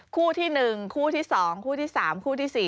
คู่ที่๑คู่ที่๒คู่ที่๓คู่ที่๔